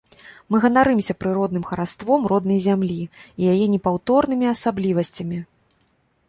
Мы ганарымся прыродным хараством роднай зямлі і яе непаўторнымі асаблівасцямі.